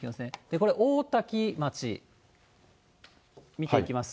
これ、大多喜町見ていきますと。